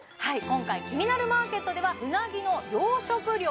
今回「キニナルマーケット」ではうなぎの養殖量